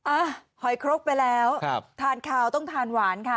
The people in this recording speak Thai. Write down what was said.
อ๋ออีฮ่อยโครกไปแล้วครับทานขาวต้องทานหวานค่ะ